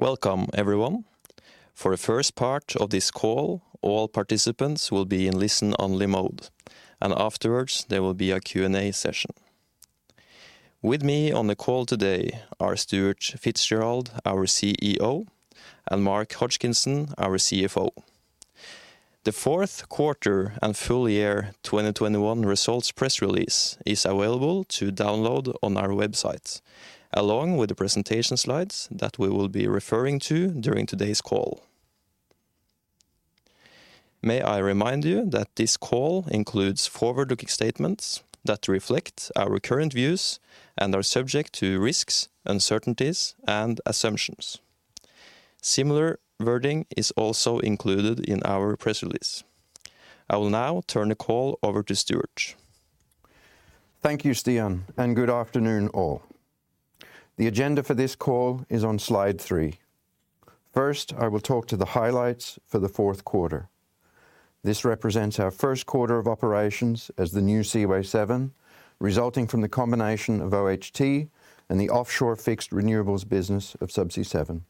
Welcome everyone. For the first part of this call, all participants will be in listen-only mode, and afterwards there will be a Q&A session. With me on the call today are Stuart FitzGerald, our CEO, and Mark Hodgkinson, our CFO. The Q4 and full year 2021 results press release is available to download on our website, along with the presentation slides that we will be referring to during today's call. May I remind you that this call includes forward-looking statements that reflect our current views and are subject to risks, uncertainties and assumptions. Similar wording is also included in our press release. I will now turn the call over to Stuart. Thank you, Stian, and good afternoon all. The agenda for this call is on slide three. First, I will talk to the highlights for the Q4. This represents our Q1 of operations as the new Seaway 7, resulting from the combination of OHT and the offshore fixed renewables business of Subsea 7.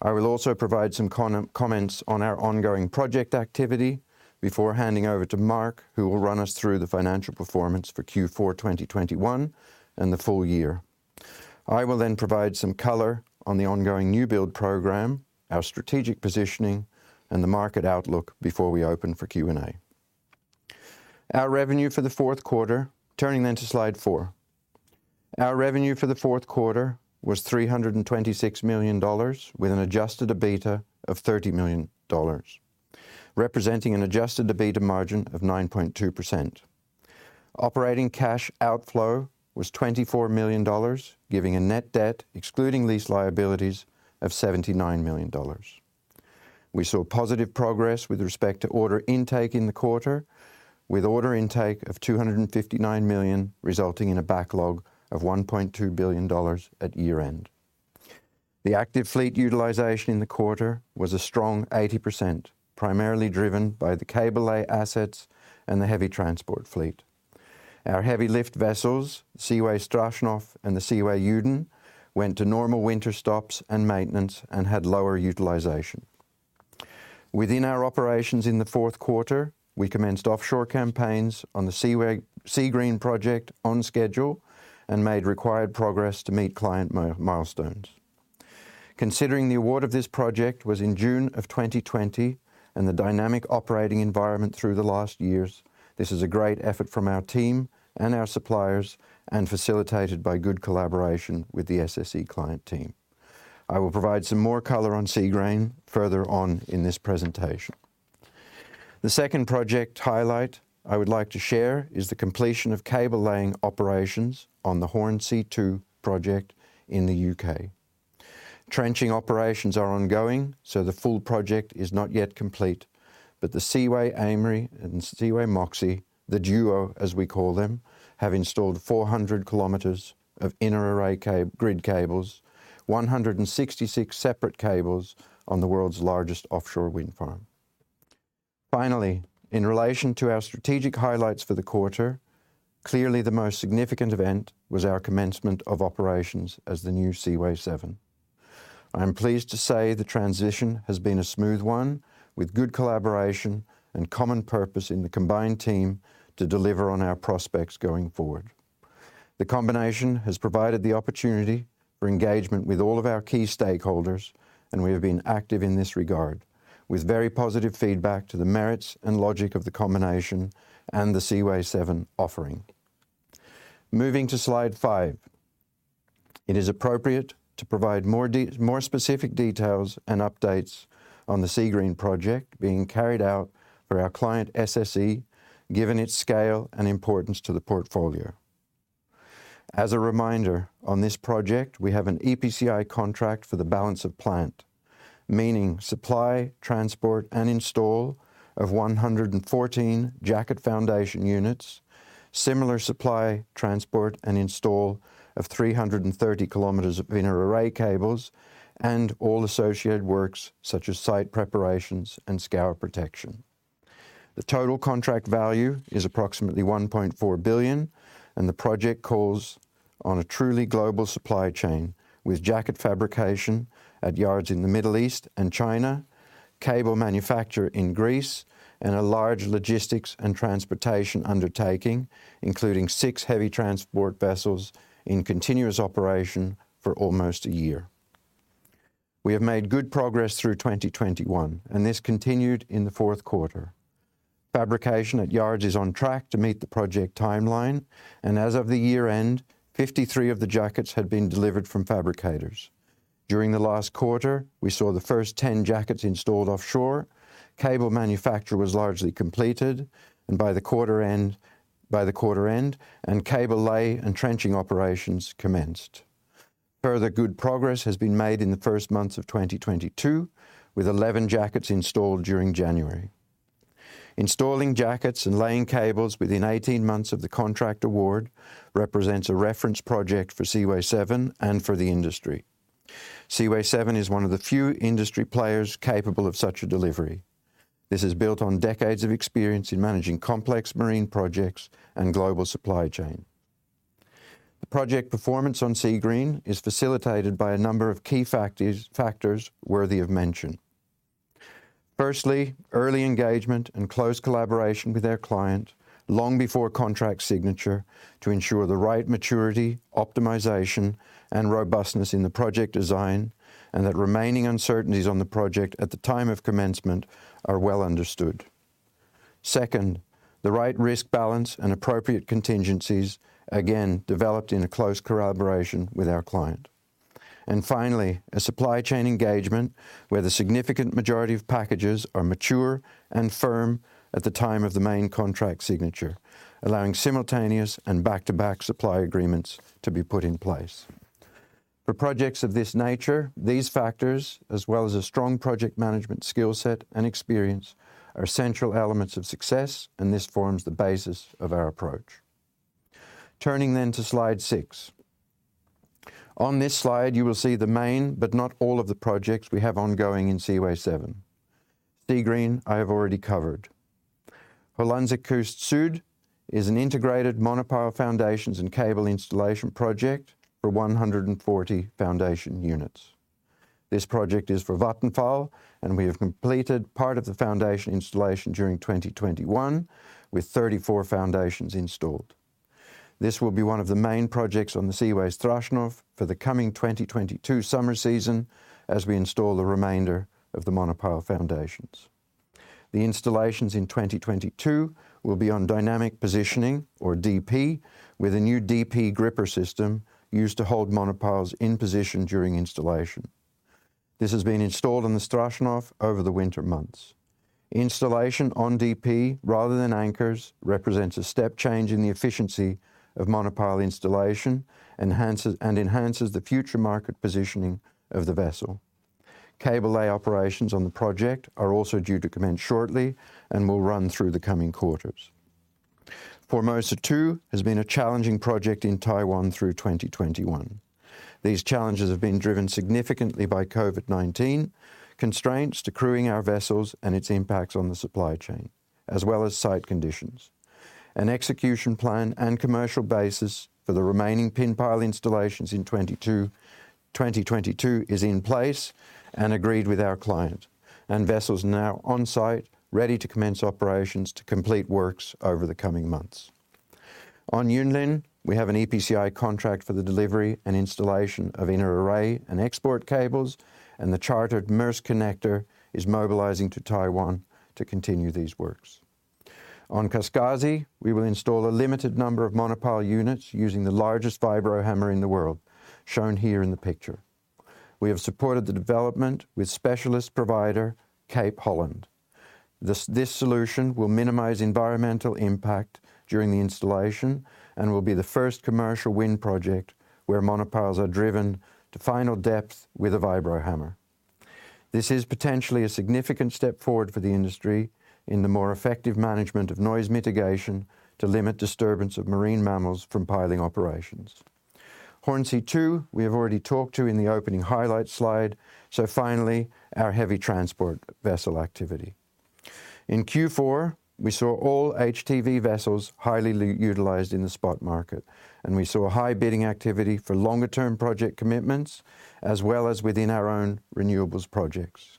I will also provide some comments on our ongoing project activity before handing over to Mark, who will run us through the financial performance for Q4 2021 and the full year. I will then provide some color on the ongoing new build program, our strategic positioning, and the market outlook before we open for Q&A. Our revenue for the Q4. Turning to slide four. Our revenue for the Q4 was $326 million with an adjusted EBITDA of $30 million, representing an adjusted EBITDA margin of 9.2%. Operating cash outflow was $24 million, giving a net debt excluding these liabilities of $79 million. We saw positive progress with respect to order intake in the quarter, with order intake of $259 million, resulting in a backlog of $1.2 billion at year-end. The active fleet utilization in the quarter was a strong 80%, primarily driven by the cable lay assets and the heavy transport fleet. Our heavy lift vessels, Seaway Strashnov and the Seaway Yudin, went to normal winter stops and maintenance and had lower utilization. Within our operations in the Q4, we commenced offshore campaigns on the Seagreen project on schedule and made required progress to meet client milestones. Considering the award of this project was in June of 2020 and the dynamic operating environment through the last years, this is a great effort from our team and our suppliers and facilitated by good collaboration with the SSE client team. I will provide some more color on Seagreen further on in this presentation. The second project highlight I would like to share is the completion of cable laying operations on the Hornsea 2 project in the U.K. Trenching operations are ongoing, so the full project is not yet complete, but the Seaway Aimery and Seaway Moxie, the duo as we call them, have installed 400 km of inner-array cables and grid cables, 166 separate cables on the world's largest offshore wind farm. Finally, in relation to our strategic highlights for the quarter, clearly the most significant event was our commencement of operations as the new Seaway 7. I am pleased to say the transition has been a smooth one with good collaboration and common purpose in the combined team to deliver on our prospects going forward. The combination has provided the opportunity for engagement with all of our key stakeholders, and we have been active in this regard with very positive feedback to the merits and logic of the combination and the Seaway 7 offering. Moving to slide five. It is appropriate to provide more specific details and updates on the Seagreen project being carried out for our client SSE, given its scale and importance to the portfolio. As a reminder, on this project, we have an EPCI contract for the balance of plant, meaning supply, transport and install of 114 jacket foundation units, similar supply, transport and install of 330 km of inner-array cables and all associated works such as site preparations and scour protection. The total contract value is approximately $1.4 billion and the project calls on a truly global supply chain with jacket fabrication at yards in the Middle East and China, cable manufacture in Greece, and a large logistics and transportation undertaking, including six heavy transport vessels in continuous operation for almost a year. We have made good progress through 2021, and this continued in the Q4. Fabrication at yards is on track to meet the project timeline, and as of the year-end, 53 of the jackets had been delivered from fabricators. During the last quarter, we saw the first 10 jackets installed offshore. Cable manufacture was largely completed, and by the quarter end, cable lay and trenching operations commenced. Further good progress has been made in the first months of 2022, with 11 jackets installed during January. Installing jackets and laying cables within 18 months of the contract award represents a reference project for Seaway 7 and for the industry. Seaway 7 is one of the few industry players capable of such a delivery. This is built on decades of experience in managing complex marine projects and global supply chain. The project performance on Seagreen is facilitated by a number of key factors worthy of mention. Firstly, early engagement and close collaboration with their client long before contract signature to ensure the right maturity, optimization and robustness in the project design, and that remaining uncertainties on the project at the time of commencement are well understood. Second, the right risk balance and appropriate contingencies, again, developed in a close collaboration with our client. Finally, a supply chain engagement where the significant majority of packages are mature and firm at the time of the main contract signature, allowing simultaneous and back-to-back supply agreements to be put in place. For projects of this nature, these factors, as well as a strong project management skill set and experience, are essential elements of success, and this forms the basis of our approach. Turning to slide six. On this slide you will see the main, but not all of the projects we have ongoing in Seaway 7. Seagreen, I have already covered. Hollandse Kust Zuid is an integrated monopile foundations and cable installation project for 140 foundation units. This project is for Vattenfall and we have completed part of the foundation installation during 2021 with 34 foundations installed. This will be one of the main projects on the Seaway Strashnov for the coming 2022 summer season as we install the remainder of the monopile foundations. The installations in 2022 will be on dynamic positioning, or DP, with a new DP gripper system used to hold monopiles in position during installation. This has been installed on the Seaway Strashnov over the winter months. Installation on DP rather than anchors represents a step change in the efficiency of monopile installation and enhances the future market positioning of the vessel. Cable lay operations on the project are also due to commence shortly and will run through the coming quarters. Formosa 2 has been a challenging project in Taiwan through 2021. These challenges have been driven significantly by COVID-19 constraints to crewing our vessels and its impacts on the supply chain, as well as site conditions. An execution plan and commercial basis for the remaining pin pile installations in 2022 is in place and agreed with our client and vessels now on-site ready to commence operations to complete works over the coming months. On Yunlin, we have an EPCI contract for the delivery and installation of inner-array and export cables and the chartered Maersk Connector is mobilizing to Taiwan to continue these works. On Kaskasi, we will install a limited number of monopile units using the largest vibro hammer in the world, shown here in the picture. We have supported the development with specialist provider Cape Holland. This solution will minimize environmental impact during the installation and will be the first commercial wind project where monopiles are driven to final depth with a vibro hammer. This is potentially a significant step forward for the industry in the more effective management of noise mitigation to limit disturbance of marine mammals from piling operations. Hornsea 2, we have already talked to in the opening highlight slide, so finally, our heavy transport vessel activity. In Q4, we saw all HTV vessels highly utilized in the spot market, and we saw high bidding activity for longer term project commitments as well as within our own renewables projects.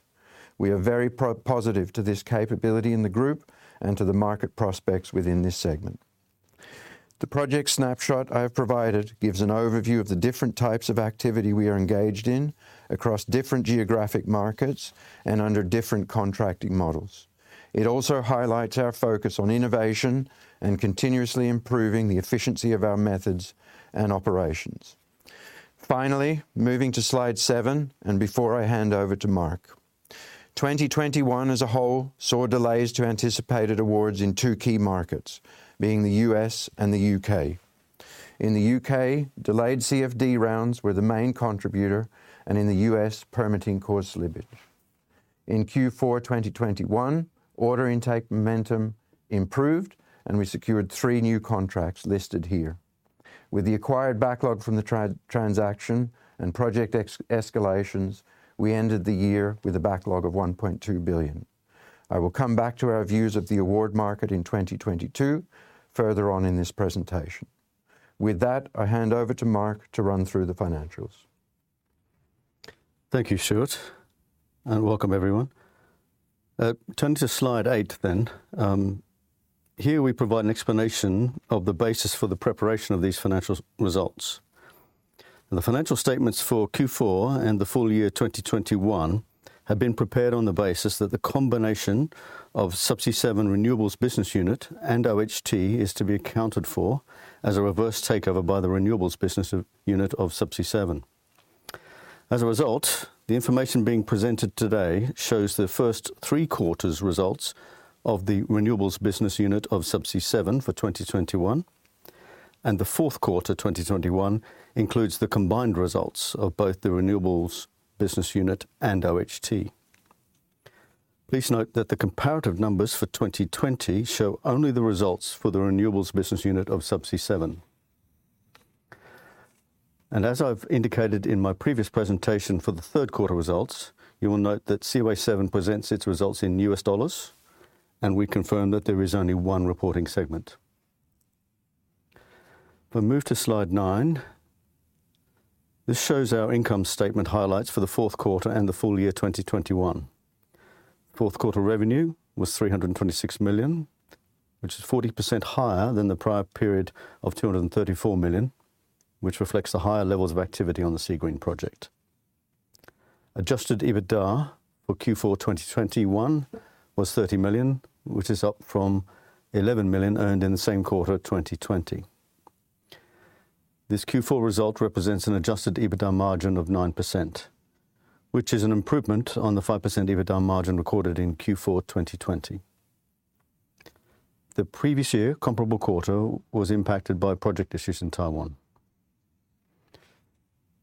We are very positive to this capability in the group and to the market prospects within this segment. The project snapshot I have provided gives an overview of the different types of activity we are engaged in across different geographic markets and under different contracting models. It also highlights our focus on innovation and continuously improving the efficiency of our methods and operations. Finally, moving to slide 7 before I hand over to Mark, 2021 as a whole saw delays to anticipated awards in two key markets, being the U.S. and the U.K. In the U.K., delayed CFD rounds were the main contributor and in the U.S. permitting process slippage. In Q4 2021, order intake momentum improved and we secured three new contracts listed here. With the acquired backlog from the transaction and project escalations, we ended the year with a backlog of $1.2 billion. I will come back to our views of the award market in 2022 further on in this presentation. With that, I hand over to Mark to run through the financials. Thank you, Stuart, and welcome everyone. Turning to slide 8, here we provide an explanation of the basis for the preparation of these financial results. The financial statements for Q4 and the full year 2021 have been prepared on the basis that the combination of Subsea 7 renewables business unit and OHT is to be accounted for as a reverse takeover by the renewables business unit of Subsea 7. As a result, the information being presented today shows the first three quarters results of the renewables business unit of Subsea 7 for 2021. The Q4 2021 includes the combined results of both the renewables business unit and OHT. Please note that the comparative numbers for 2020 show only the results for the renewables business unit of Subsea 7. As I've indicated in my previous presentation for the Q3 results, you will note that Seaway 7 presents its results in U.S. dollars, and we confirm that there is only one reporting segment. If I move to slide nine, this shows our income statement highlights for the Q4 and the full year 2021. Q4 revenue was $326 million, which is 40% higher than the prior period of $234 million, which reflects the higher levels of activity on the Seagreen project. Adjusted EBITDA for Q4 2021 was $30 million, which is up from $11 million earned in the same quarter 2020. This Q4 result represents an adjusted EBITDA margin of 9%, which is an improvement on the 5% EBITDA margin recorded in Q4 2020. The previous year comparable quarter was impacted by project issues in Taiwan.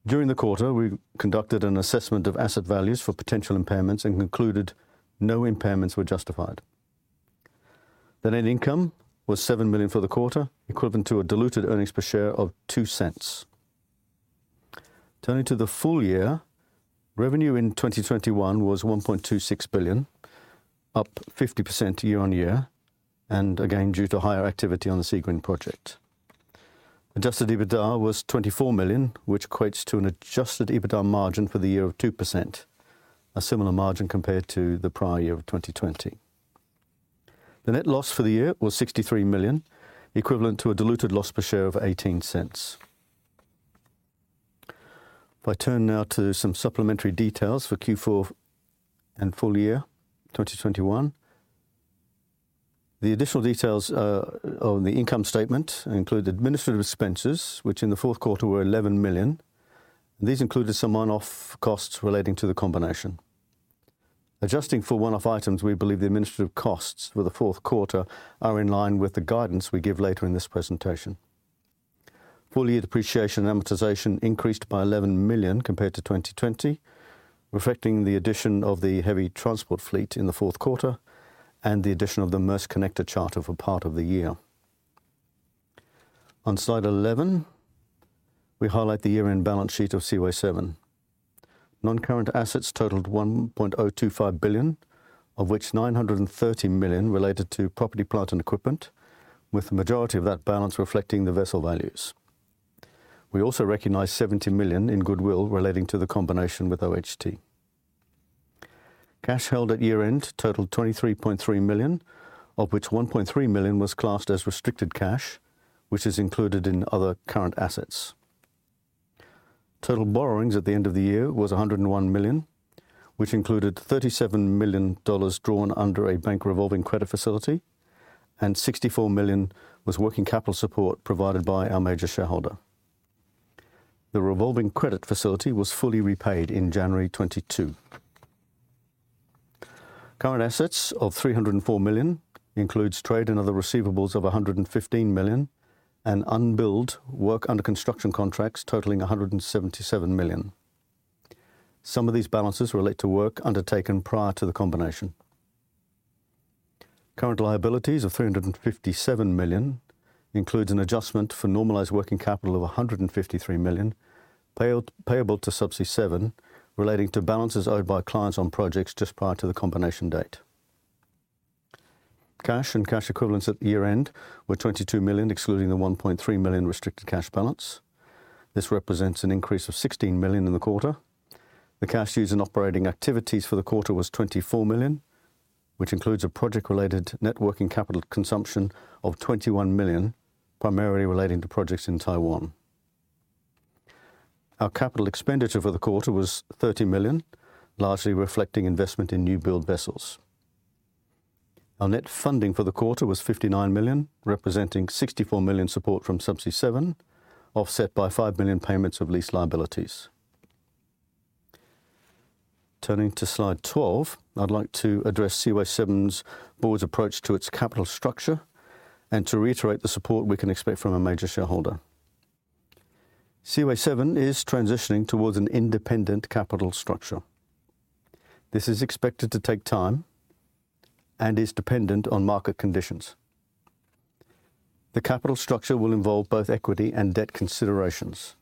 During the quarter, we conducted an assessment of asset values for potential impairments and concluded no impairments were justified. The net income was $7 million for the quarter, equivalent to a diluted earnings per share of $0.02. Turning to the full year, revenue in 2021 was $1.26 billion, up 50% year-on-year, and again due to higher activity on the Seagreen project. Adjusted EBITDA was $24 million, which equates to an adjusted EBITDA margin for the year of 2%, a similar margin compared to the prior year of 2020. The net loss for the year was $63 million, equivalent to a diluted loss per share of $0.18. If I turn now to some supplementary details for Q4 and full year 2021. The additional details on the income statement include administrative expenses, which in the Q4 were $11 million. These included some one-off costs relating to the combination. Adjusting for one-off items, we believe the administrative costs for the Q4 are in line with the guidance we give later in this presentation. Full year depreciation and amortization increased by $11 million compared to 2020, reflecting the addition of the heavy transport fleet in the Q4 and the addition of the Maersk Connector charter for part of the year. On slide 11, we highlight the year-end balance sheet of Seaway 7. Non-current assets totaled $1.025 billion, of which $930 million related to property, plant, and equipment, with the majority of that balance reflecting the vessel values. We also recognize $70 million in goodwill relating to the combination with OHT. Cash held at year-end totaled $23.3 million, of which $1.3 million was classed as restricted cash, which is included in other current assets. Total borrowings at the end of the year was $101 million, which included $37 million drawn under a bank revolving credit facility and $64 million was working capital support provided by our major shareholder. The revolving credit facility was fully repaid in January 2022. Current assets of $304 million includes trade and other receivables of $115 million and unbilled work under construction contracts totaling $177 million. Some of these balances relate to work undertaken prior to the combination. Current liabilities of $357 million includes an adjustment for normalized working capital of $153 million payable to Subsea 7 relating to balances owed by clients on projects just prior to the combination date. Cash and cash equivalents at year-end were $22 million, excluding the $1.3 million restricted cash balance. This represents an increase of $16 million in the quarter. The cash used in operating activities for the quarter was $24 million, which includes a project-related net working capital consumption of $21 million, primarily relating to projects in Taiwan. Our capital expenditure for the quarter was $30 million, largely reflecting investment in new build vessels. Our net funding for the quarter was $59 million, representing $64 million support from Subsea 7, offset by $5 million payments of lease liabilities. Turning to slide 12, I'd like to address Seaway 7's board's approach to its capital structure and to reiterate the support we can expect from a major shareholder. Seaway 7 is transitioning towards an independent capital structure. This is expected to take time and is dependent on market conditions. The capital structure will involve both equity and debt considerations.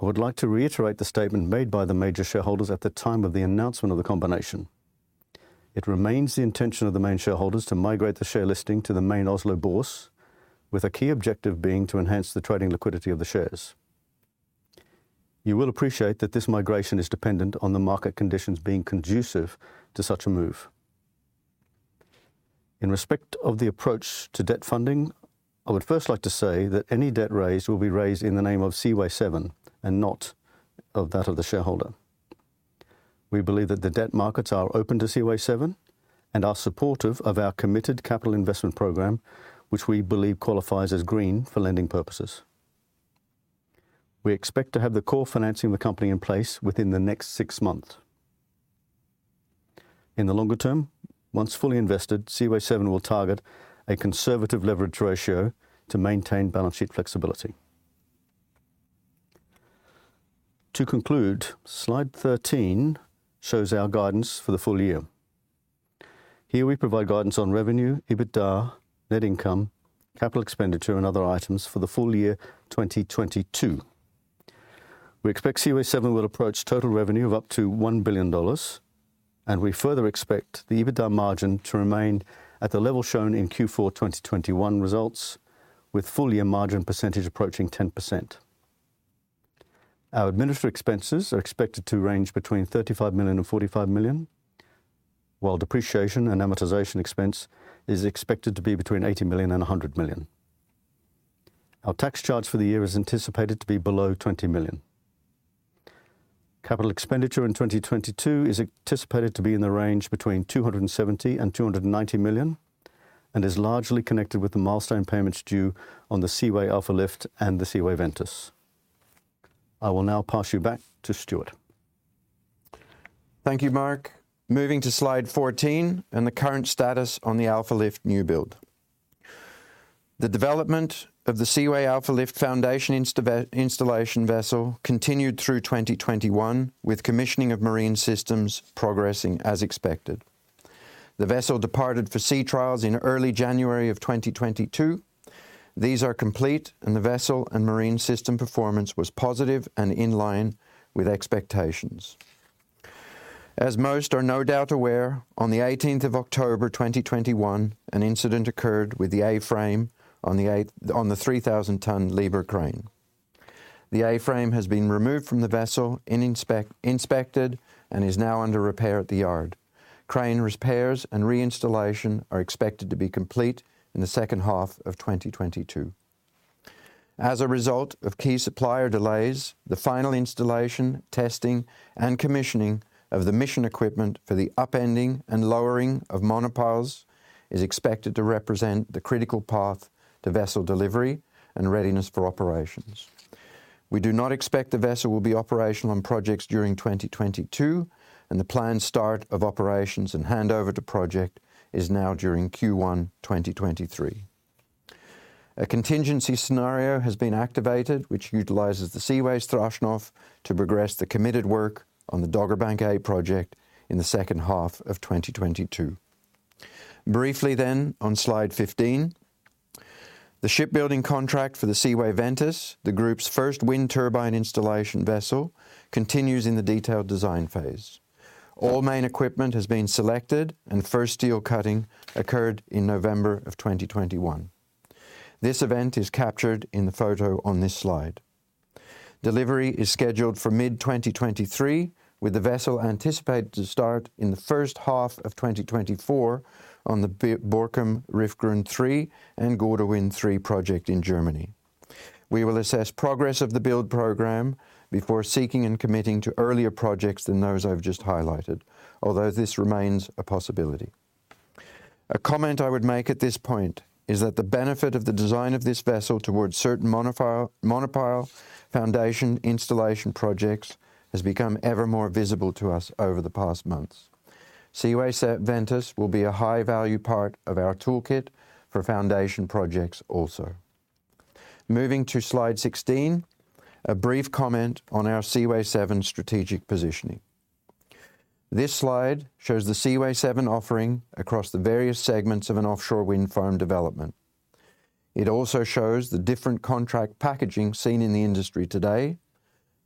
I would like to reiterate the statement made by the major shareholders at the time of the announcement of the combination. It remains the intention of the main shareholders to migrate the share listing to the main Oslo Børs, with a key objective being to enhance the trading liquidity of the shares. You will appreciate that this migration is dependent on the market conditions being conducive to such a move. In respect of the approach to debt funding, I would first like to say that any debt raised will be raised in the name of Seaway 7 and not of that of the shareholder. We believe that the debt markets are open to Seaway 7 and are supportive of our committed capital investment program, which we believe qualifies as green for lending purposes. We expect to have the core financing for the company in place within the next six months. In the longer term, once fully invested, Seaway 7 will target a conservative leverage ratio to maintain balance sheet flexibility. To conclude, slide 13 shows our guidance for the full year. Here we provide guidance on revenue, EBITDA, net income, capital expenditure, and other items for the full year 2022. We expect Seaway 7 will approach total revenue of up to $1 billion, and we further expect the EBITDA margin to remain at the level shown in Q4 2021 results with full year margin percentage approaching 10%. Our administrative expenses are expected to range between $35 million and $45 million, while depreciation and amortization expense is expected to be between $80 million and $100 million. Our tax charge for the year is anticipated to be below $20 million. Capital expenditure in 2022 is anticipated to be in the range between $270 million and $290 million, and is largely connected with the milestone payments due on the Seaway Alfa Lift and the Seaway Ventus. I will now pass you back to Stuart. Thank you, Mark. Moving to slide 14 and the current status on the Alfa Lift new build. The development of the Seaway Alfa Lift foundation installation vessel continued through 2021, with commissioning of marine systems progressing as expected. The vessel departed for sea trials in early January 2022. These are complete, and the vessel and marine system performance was positive and in line with expectations. As most are no doubt aware, on October 18, 2021, an incident occurred with the A-frame on the 3,000-ton Liebherr crane. The A-frame has been removed from the vessel, inspected, and is now under repair at the yard. Crane repairs and reinstallation are expected to be complete in the second half of 2022. As a result of key supplier delays, the final installation, testing, and commissioning of the mission equipment for the upending and lowering of monopiles is expected to represent the critical path to vessel delivery and readiness for operations. We do not expect the vessel will be operational on projects during 2022, and the planned start of operations and handover to project is now during Q1 2023. A contingency scenario has been activated which utilizes the Seaway Strashnov to progress the committed work on the Dogger Bank A project in the second half of 2022. Briefly then on slide 15, the shipbuilding contract for the Seaway Ventus, the group's first wind turbine installation vessel, continues in the detailed design phase. All main equipment has been selected and first steel cutting occurred in November of 2021. This event is captured in the photo on this slide. Delivery is scheduled for mid-2023, with the vessel anticipated to start in the first half of 2024 on the Borkum Riffgrund 3 and Gode Wind 3 project in Germany. We will assess progress of the build program before seeking and committing to earlier projects than those I've just highlighted, although this remains a possibility. A comment I would make at this point is that the benefit of the design of this vessel towards certain monopile foundation installation projects has become ever more visible to us over the past months. Seaway Ventus will be a high value part of our toolkit for foundation projects also. Moving to slide 16, a brief comment on our Seaway 7 strategic positioning. This slide shows the Seaway 7 offering across the various segments of an offshore wind farm development. It also shows the different contract packaging seen in the industry today,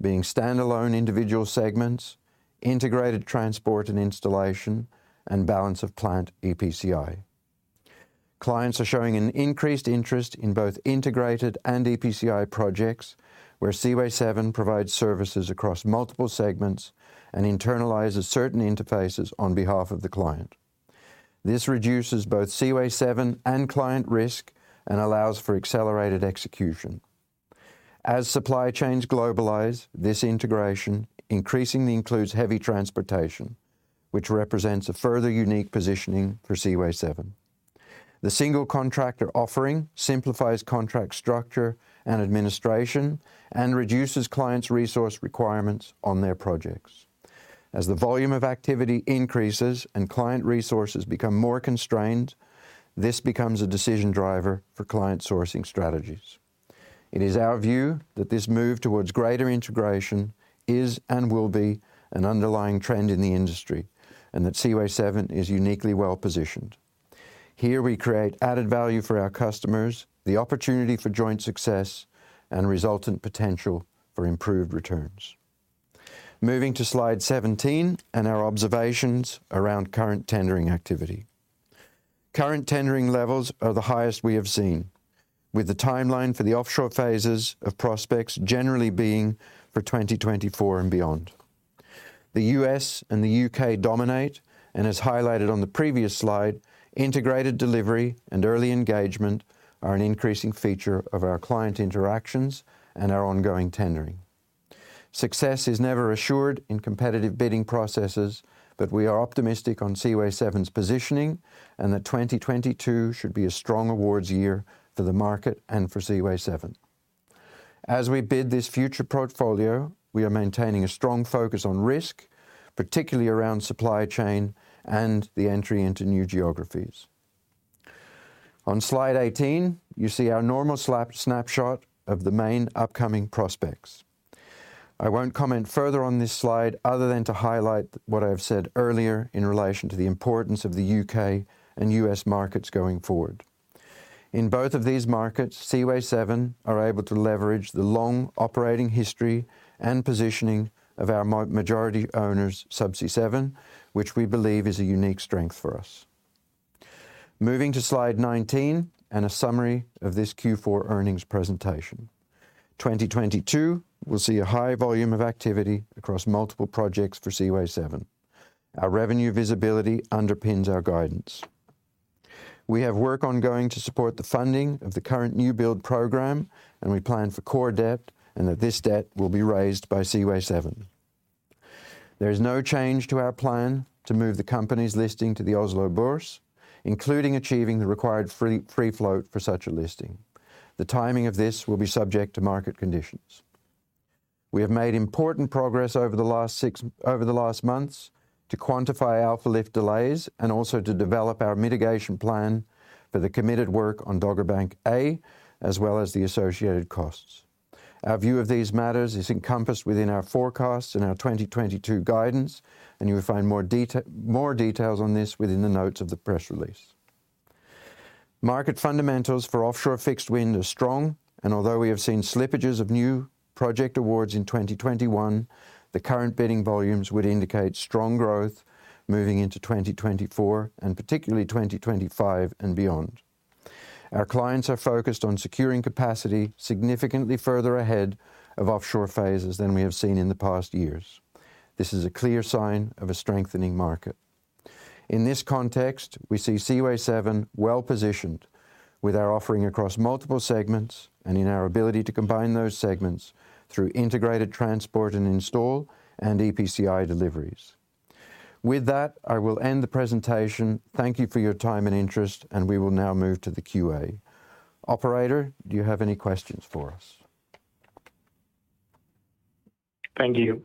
being standalone individual segments, integrated transport and installation, and balance of plant EPCI. Clients are showing an increased interest in both integrated and EPCI projects, where Seaway 7 provides services across multiple segments and internalizes certain interfaces on behalf of the client. This reduces both Seaway 7 and client risk and allows for accelerated execution. As supply chains globalize, this integration increasingly includes heavy transportation, which represents a further unique positioning for Seaway 7. The single contractor offering simplifies contract structure and administration and reduces clients' resource requirements on their projects. As the volume of activity increases and client resources become more constrained, this becomes a decision driver for client sourcing strategies. It is our view that this move towards greater integration is and will be an underlying trend in the industry, and that Seaway 7 is uniquely well-positioned. Here we create added value for our customers, the opportunity for joint success, and resultant potential for improved returns. Moving to slide 17 and our observations around current tendering activity. Current tendering levels are the highest we have seen, with the timeline for the offshore phases of prospects generally being for 2024 and beyond. The U.S. and the U.K. dominate, and as highlighted on the previous slide, integrated delivery and early engagement are an increasing feature of our client interactions and our ongoing tendering. Success is never assured in competitive bidding processes, but we are optimistic on Seaway 7's positioning and that 2022 should be a strong awards year for the market and for Seaway 7. As we bid this future portfolio, we are maintaining a strong focus on risk, particularly around supply chain and the entry into new geographiFes. On slide 18, you see our normal snap-shot of the main upcoming prospects. I won't comment further on this slide other than to highlight what I have said earlier in relation to the importance of the U.K. and U.S. markets going forward. In both of these markets, Seaway 7 are able to leverage the long operating history and positioning of our majority owners, Subsea 7, which we believe is a unique strength for us. Moving to slide 19 and a summary of this Q4 earnings presentation. 2022 will see a high volume of activity across multiple projects for Seaway 7. Our revenue visibility underpins our guidance. We have work ongoing to support the funding of the current new build program, and we plan for core debt, and that this debt will be raised by Seaway 7. There is no change to our plan to move the company's listing to the Oslo Børs, including achieving the required free float for such a listing. The timing of this will be subject to market conditions. We have made important progress over the last six months to quantify Alfa Lift delays and also to develop our mitigation plan for the committed work on Dogger Bank A, as well as the associated costs. Our view of these matters is encompassed within our forecasts and our 2022 guidance, and you will find more details on this within the notes of the press release. Market fundamentals for offshore fixed wind are strong, and although we have seen slippages of new project awards in 2021, the current bidding volumes would indicate strong growth moving into 2024 and particularly 2025 and beyond. Our clients are focused on securing capacity significantly further ahead of offshore phases than we have seen in the past years. This is a clear sign of a strengthening market. In this context, we see Seaway 7 well-positioned with our offering across multiple segments and in our ability to combine those segments through integrated transport and install and EPCI deliveries. With that, I will end the presentation. Thank you for your time and interest, and we will now move to the QA. Operator, do you have any questions for us? Thank you.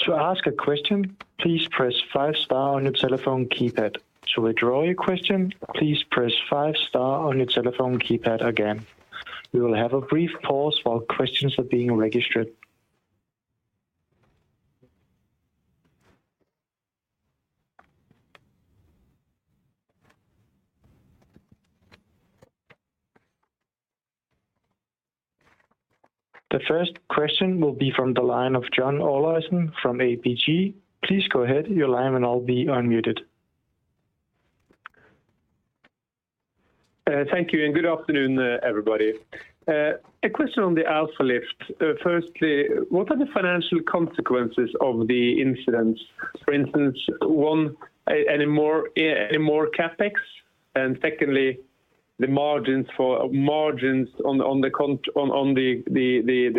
To ask a question, please press five star on your telephone keypad. To withdraw your question, please press five star on you telephone keypad again. We will have a brief pause while questions are being registered. The first question will be from the line of John Olaisen from ABG. Please go ahead. Your line will now be unmuted. Thank you and good afternoon, everybody. A question on the Alfa Lift. Firstly, what are the financial consequences of the incidents? For instance, one, any more CapEx? And secondly, the margins on the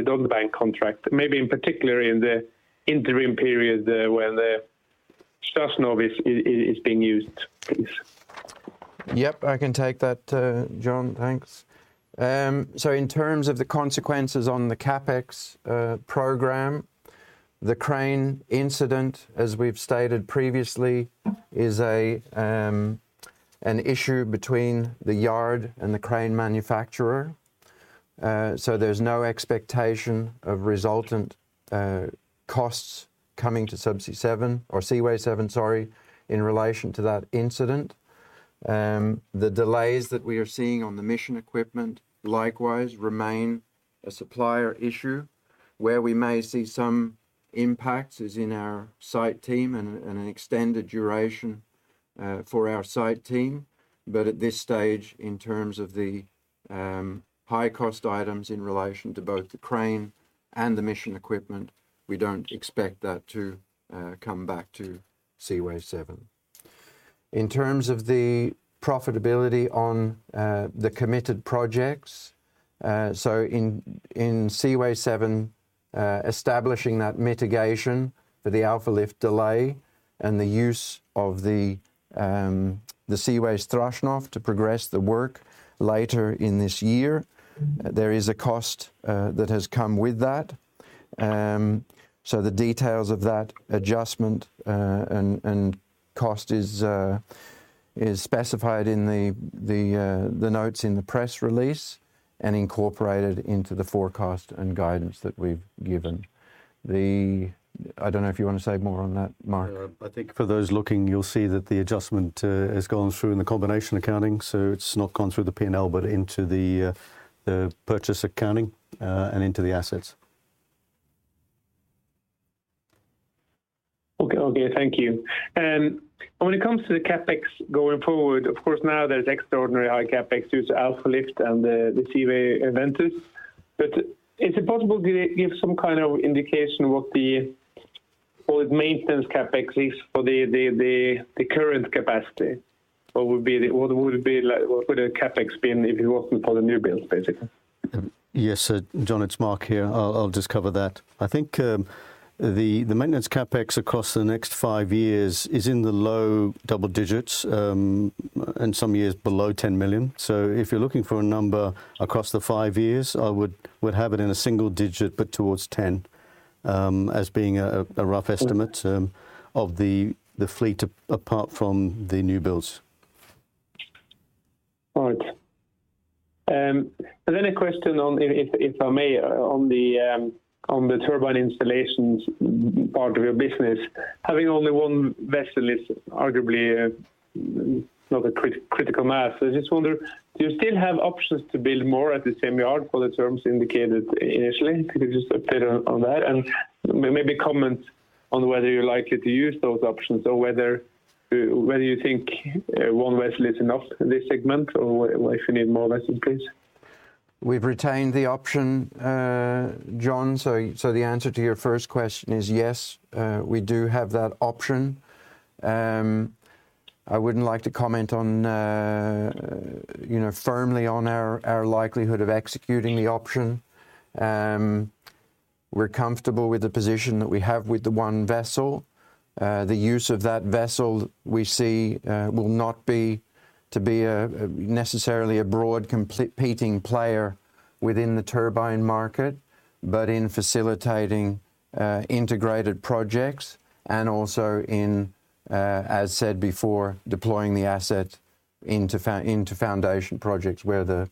Dogger Bank contract, maybe in particular in the interim period, where the Strashnov is being used, please. Yep. I can take that, John. Thanks. In terms of the consequences on the CapEx program, the crane incident, as we've stated previously, is an issue between the yard and the crane manufacturer. There's no expectation of resultant costs coming to Subsea 7 or Seaway 7, sorry, in relation to that incident. The delays that we are seeing on the mission equipment likewise remain a supplier issue. Where we may see some impacts is in our site team and an extended duration for our site team. At this stage, in terms of the high cost items in relation to both the crane and the mission equipment, we don't expect that to come back to Seaway 7. In terms of the profitability on the committed projects, so in Seaway 7, establishing that mitigation for the Alfa Lift delay and the use of the Seaway Strashnov to progress the work later in this year, there is a cost that has come with that. The details of that adjustment and cost is specified in the notes in the press release and incorporated into the forecast and guidance that we've given. I don't know if you wanna say more on that, Mark. Yeah. I think for those looking, you'll see that the adjustment has gone through in the combination accounting, so it's not gone through the P&L, but into the purchase accounting, and into the assets. Thank you. When it comes to the CapEx going forward, of course now there's extraordinary high CapEx due to Alfa Lift and the Seaway Ventus. But is it possible to give some kind of indication what the, call it, maintenance CapEx is for the current capacity? What would the CapEx be if it wasn't for the new builds, basically? Yes. John, it's Mark here. I'll just cover that. I think the maintenance CapEx across the next five years is in the low double digits, and some years below $10 million. If you're looking for a number across the five years, I would have it in a single digit but towards 10. As being a rough estimate. Mm. of the fleet apart from the new builds. All right. A question on if I may, on the turbine installations part of your business. Having only one vessel is arguably not a critical mass. I just wonder, do you still have options to build more at the same yard for the terms indicated initially? Could you just update on that? Maybe comment on whether you're likely to use those options or whether you think one vessel is enough in this segment or if you need more vessels, please. We've retained the option, John. The answer to your first question is yes, we do have that option. I wouldn't like to comment on, you know, firmly on our likelihood of executing the option. We're comfortable with the position that we have with the one vessel. The use of that vessel we see will not be to be a necessarily a broad competing player within the turbine market, but in facilitating integrated projects and also in, as said before, deploying the asset into foundation projects where the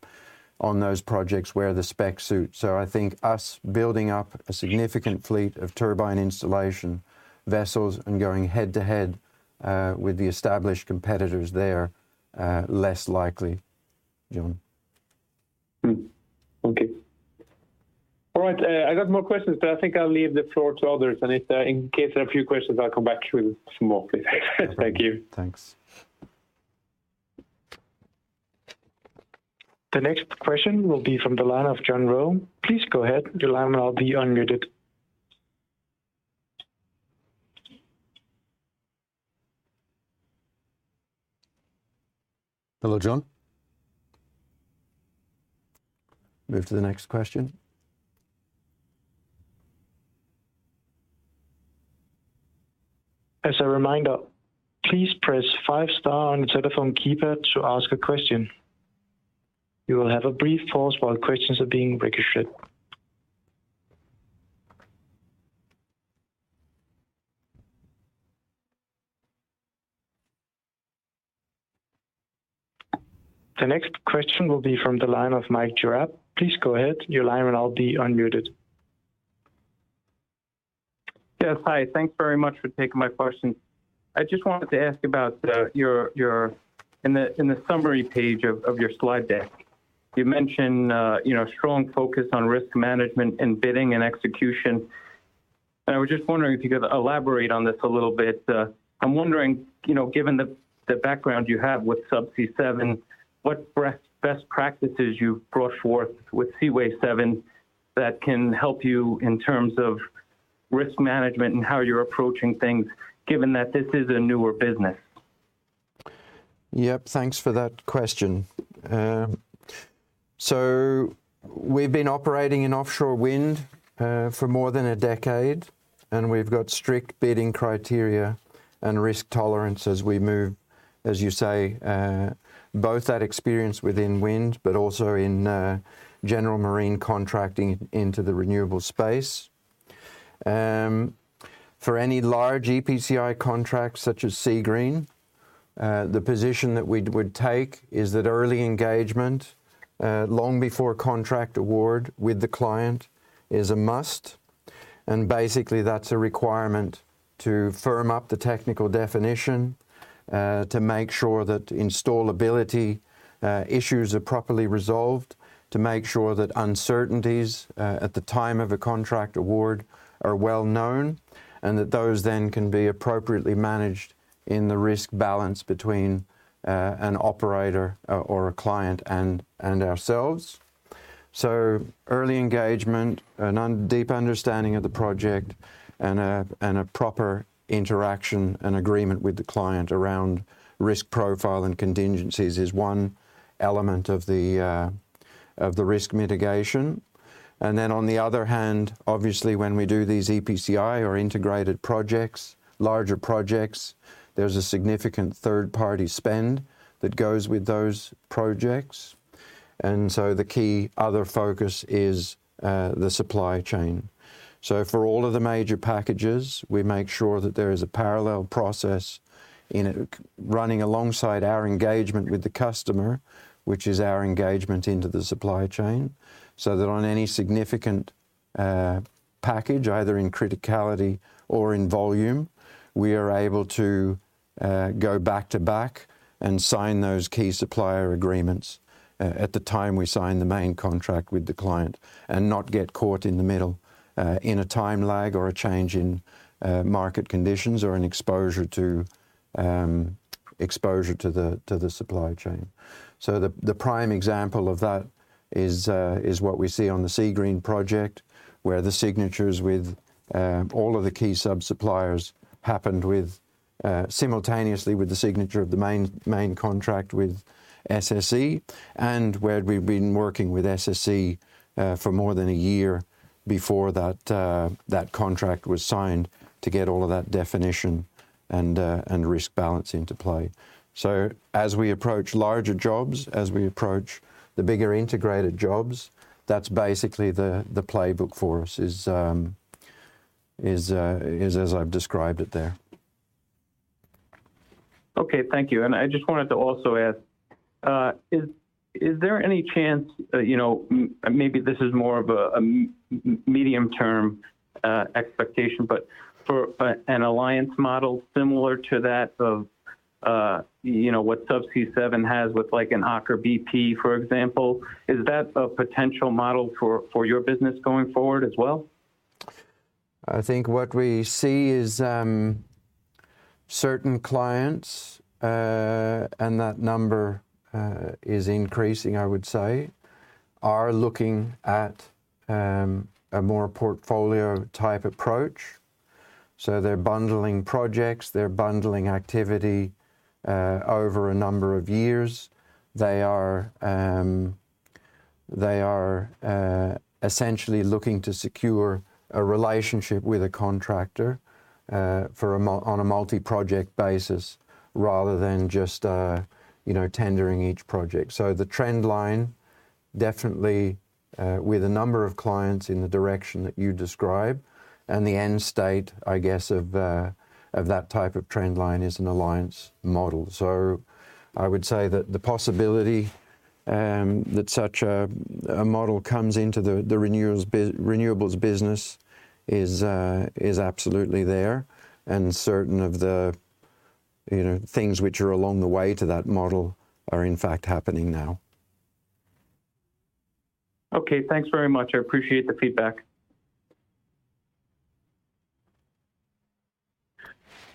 on those projects where the spec suits. I think us building up a significant fleet of turbine installation vessels and going head-to-head with the established competitors there less likely, John. Okay. All right. I got more questions, but I think I'll leave the floor to others. If, in case there are a few questions, I'll come back to you with some more, please. Thank you. Thanks. The next question will be from the line of John Roe. Please go ahead. Your line will now be unmuted. Hello, John. Move to the next question. As a reminder, please press five star on your telephone keypad to ask a question. You will have a brief pause while questions are being registered. The next question will be from the line of Mike Jerap. Please go ahead. Your line will now be unmuted. Yes. Hi. Thanks very much for taking my question. I just wanted to ask about. In the summary page of your slide deck, you mentioned, you know, strong focus on risk management and bidding and execution. I was just wondering if you could elaborate on this a little bit. I'm wondering, you know, given the background you have with Subsea 7, what best practices you've brought forth with Seaway 7 that can help you in terms of risk management and how you're approaching things, given that this is a newer business? Yep. Thanks for that question. So we've been operating in offshore wind for more than a decade, and we've got strict bidding criteria and risk tolerance as we move, as you say, both that experience within wind but also in general marine contracting into the renewable space. For any large EPCI contract, such as Seagreen, the position that we'd take is that early engagement long before contract award with the client is a must. Basically, that's a requirement to firm up the technical definition to make sure that installability issues are properly resolved, to make sure that uncertainties at the time of a contract award are well known, and that those then can be appropriately managed in the risk balance between an operator or a client and ourselves. Early engagement and in-depth understanding of the project and a proper interaction and agreement with the client around risk profile and contingencies is one element of the risk mitigation. Then on the other hand, obviously when we do these EPCI or integrated projects, larger projects, there's a significant third-party spend that goes with those projects. The key other focus is the supply chain. For all of the major packages, we make sure that there is a parallel process in... running alongside our engagement with the customer, which is our engagement into the supply chain, so that on any significant package, either in criticality or in volume, we are able to go back-to-back and sign those key supplier agreements at the time we sign the main contract with the client and not get caught in the middle in a time lag or a change in market conditions or an exposure to the supply chain. The prime example of that is what we see on the Seagreen project, where the signatures with all of the key sub-suppliers happened simultaneously with the signature of the main contract with SSE and where we've been working with SSE for more than a year before that contract was signed to get all of that definition and risk balance into play. As we approach larger jobs, as we approach the bigger integrated jobs, that's basically the playbook for us is as I've described it there. Okay, thank you. I just wanted to also ask, is there any chance, you know, maybe this is more of a medium term expectation, but for an alliance model similar to that of, you know, what Subsea 7 has with like an Aker BP, for example, is that a potential model for your business going forward as well? I think what we see is certain clients, and that number is increasing, I would say, are looking at a more portfolio type approach. They're bundling projects, they're bundling activity over a number of years. They are essentially looking to secure a relationship with a contractor on a multi-project basis rather than just, you know, tendering each project. The trend line definitely with a number of clients in the direction that you describe, and the end state, I guess of that type of trend line is an alliance model. I would say that the possibility that such a model comes into the renewables business is absolutely there. Certain of the, you know, things which are along the way to that model are in fact happening now. Okay, thanks very much. I appreciate the feedback.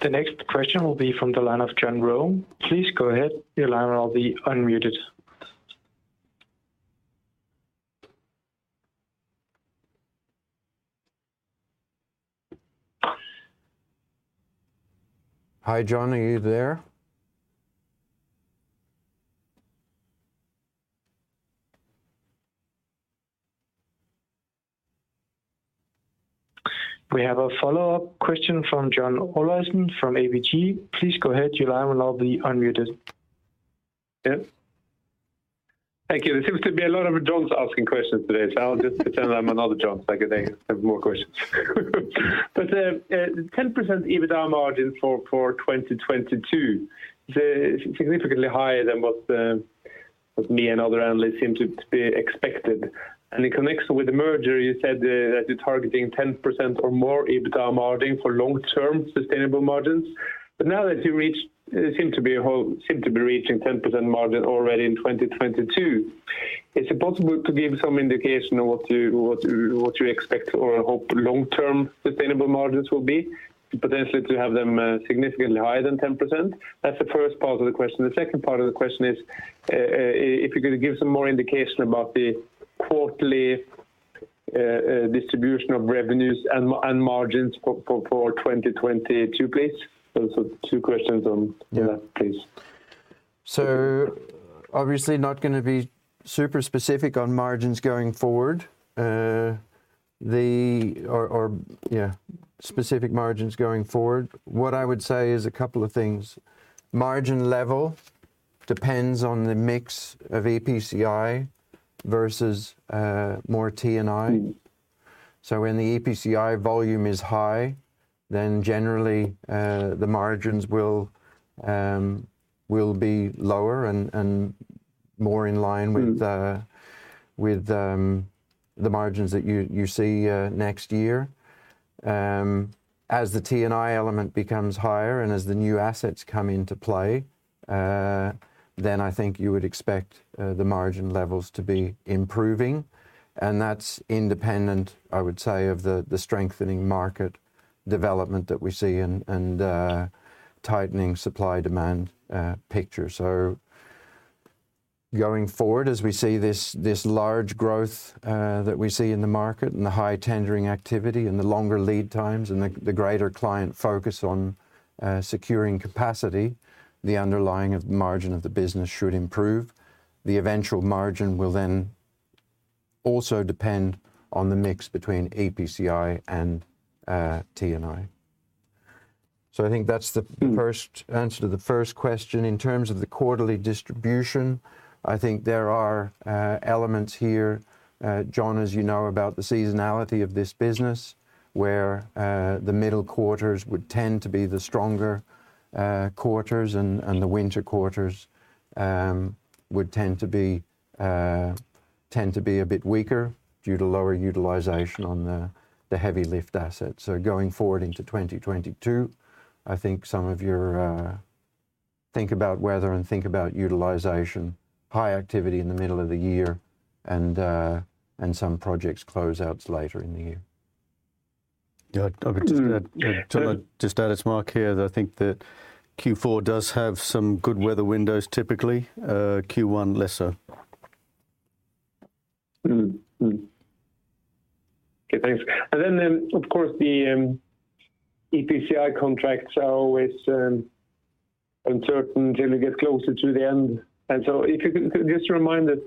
The next question will be from the line of John Roe. Please go ahead. Your line will now be unmuted. Hi, John. Are you there? We have a follow-up question from John Olaisen from ABG. Please go ahead. Yeah. Thank you. There seems to be a lot of Johns asking questions today, so I'll just pretend I'm another John so I could then have more questions. 10% EBITDA margin for 2022, significantly higher than what me and other analysts seem to be expected. In connection with the merger, you said that you're targeting 10% or more EBITDA margin for long-term sustainable margins. Now that you seem to be reaching 10% margin already in 2022, is it possible to give some indication of what you expect or hope long-term sustainable margins will be, potentially to have them significantly higher than 10%? That's the first part of the question. The second part of the question is, if you could give some more indication about the quarterly distribution of revenues and margins for 2022, please. Those are two questions on that, please. Obviously not gonna be super specific on margins going forward. What I would say is a couple of things. Margin level depends on the mix of EPCI versus more T&I. When the EPCI volume is high, then generally the margins will be lower and more in line with the margins that you see next year. As the T&I element becomes higher and as the new assets come into play, then I think you would expect the margin levels to be improving. That's independent, I would say, of the strengthening market development that we see and tightening supply demand picture. Going forward, as we see this large growth that we see in the market and the high tendering activity and the longer lead times and the greater client focus on securing capacity, the underlying margin of the business should improve. The eventual margin will then also depend on the mix between EPCI and T&I. I think that's the first answer to the first question. In terms of the quarterly distribution, I think there are elements here, John, as you know about the seasonality of this business, where the middle quarters would tend to be the stronger quarters and the winter quarters would tend to be a bit weaker due to lower utilization on the heavy lift assets. Going forward into 2022, I think some of your think about weather and utilization, high activity in the middle of the year and some projects closeouts later in the year. Yeah. I would just add. Yeah. It's Mark here that I think that Q4 does have some good weather windows typically, Q1 lesser. Mm-hmm. Okay, thanks. Of course, the EPCI contracts are always uncertain till we get closer to the end. If you could just remind us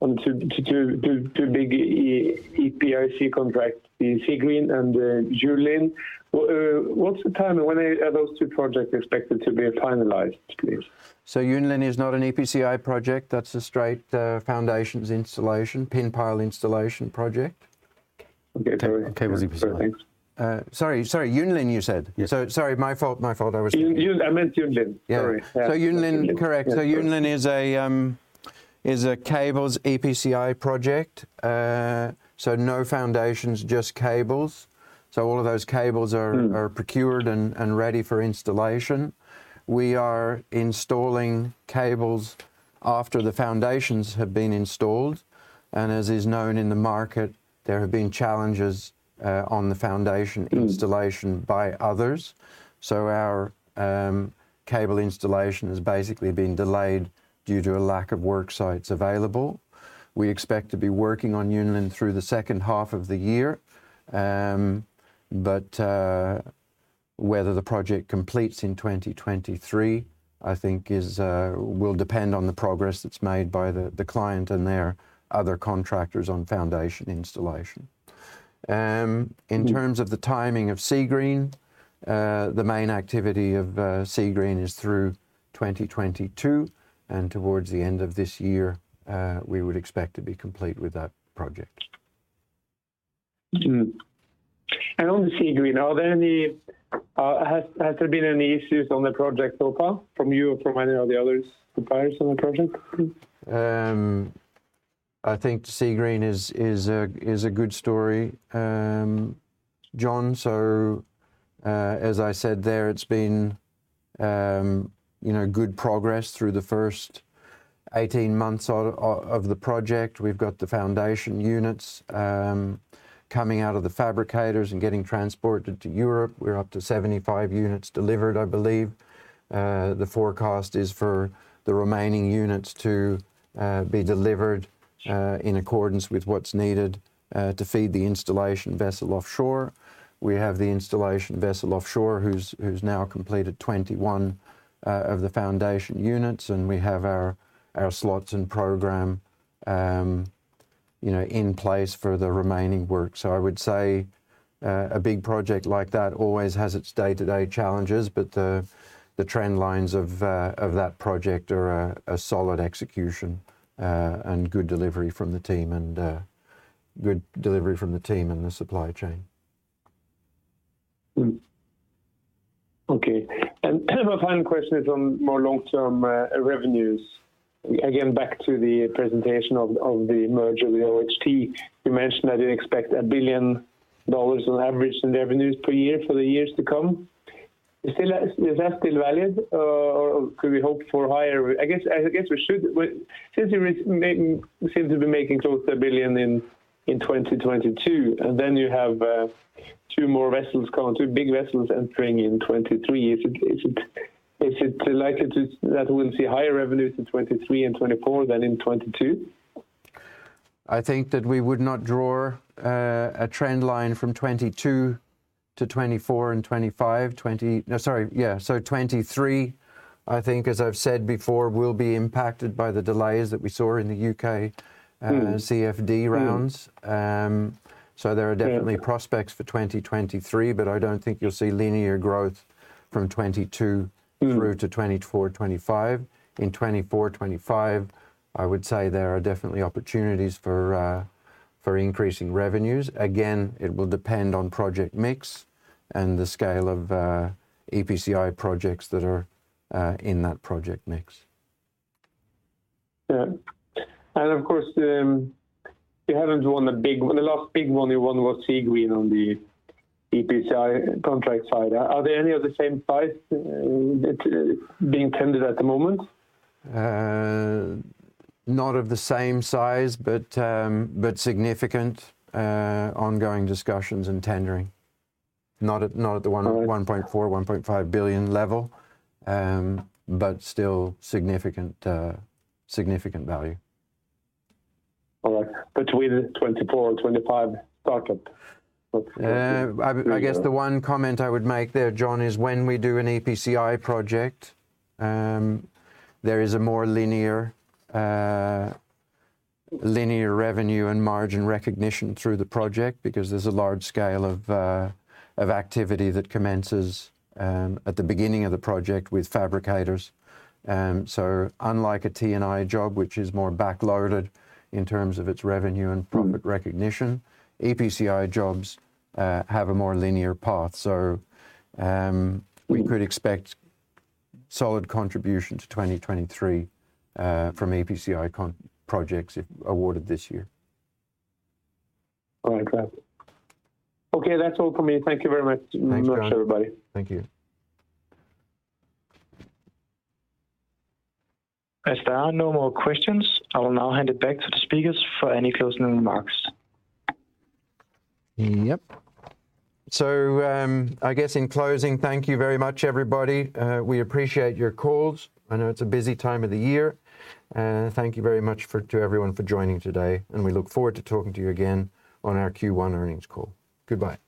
on two big EPCI contracts, the Seagreen and Yunlin. What's the timing? When are those two projects expected to be finalized please? Yunlin is not an EPCI project. That's a straight, foundations installation, pin pile installation project. Okay. Cables installation. Thanks. Sorry. Yunlin, you said. Yes. Sorry, my fault. Yunlin. I meant Yunlin. Yeah. Sorry. Yeah. Yunlin, correct. Yunlin is a cables EPCI project. No foundations, just cables. All of those cables are- Mm are procured and ready for installation. We are installing cables after the foundations have been installed, and as is known in the market, there have been challenges on the foundation. Mm installation by others. Our cable installation has basically been delayed due to a lack of work sites available. We expect to be working on Yunlin through the second half of the year. Whether the project completes in 2023 I think is will depend on the progress that's made by the client and their other contractors on foundation installation. In terms of the timing of Seagreen, the main activity of Seagreen is through 2022, and towards the end of this year, we would expect to be complete with that project. On Seagreen, has there been any issues on the project so far from you or from any of the other suppliers on the project, please? I think Seagreen is a good story, John. As I said, there, it's been you know, good progress through the first 18 months of the project. We've got the foundation units coming out of the fabricators and getting transported to Europe. We're up to 75 units delivered, I believe. The forecast is for the remaining units to be delivered in accordance with what's needed to feed the installation vessel offshore. We have the installation vessel offshore who's now completed 21 of the foundation units, and we have our slots and program you know, in place for the remaining work. I would say a big project like that always has its day-to-day challenges, but the trend lines of that project are a solid execution and good delivery from the team and the supply chain. Okay. Kind of a final question is on more long-term revenues. Again, back to the presentation of the merger of the OHT. You mentioned that you expect $1 billion on average in revenues per year for the years to come. Is that still valid, or could we hope for higher? I guess we should. Since you seem to be making close to $1 billion in 2022, and then you have two more vessels coming, two big vessels entering in 2023. Is it likely that we'll see higher revenues in 2023 and 2024 than in 2022? I think that we would not draw a trend line from 2022 to 2024 and 2025. 2023, I think as I've said before, will be impacted by the delays that we saw in the U.K.- Mm CFD rounds. There are- Yeah... definitely prospects for 2023, but I don't think you'll see linear growth from 2022. Mm through to 2024, 2025. In 2024, 2025, I would say there are definitely opportunities for increasing revenues. Again, it will depend on project mix and the scale of EPCI projects that are in that project mix. Yeah. Of course, you haven't won a big one. The last big one you won was Seagreen on the EPCI contract side. Are there any of the same size that are being tendered at the moment? Not of the same size, but significant ongoing discussions in tendering. Not at the one- Okay... $1.4 billion-$1.5 billion level, but still significant value. All right. Between 2024 and 2025 target of I guess the one comment I would make there, John, is when we do an EPCI project, there is a more linear revenue and margin recognition through the project because there's a large scale of activity that commences at the beginning of the project with fabricators. Unlike a T&I job, which is more backloaded in terms of its revenue and profit recognition, EPCI jobs have a more linear path. We could expect solid contribution to 2023 from EPCI projects if awarded this year. All right. Got it. Okay. That's all from me. Thank you very much. Thanks, John. Thank you very much, everybody. Thank you. As there are no more questions, I will now hand it back to the speakers for any closing remarks. Yep. I guess in closing, thank you very much, everybody. We appreciate your calls. I know it's a busy time of the year. Thank you very much to everyone for joining today, and we look forward to talking to you again on our Q1 earnings call. Goodbye.